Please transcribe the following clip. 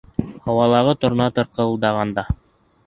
Һауалағы торна тырҡылдағанда